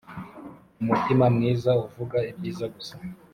umutima mwiza uvuga ibyiza gusa